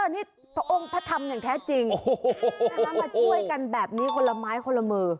นี่พระองค์พระธรรมอย่างแท้จริงมาช่วยกันแบบนี้คนละไม้คนละมือ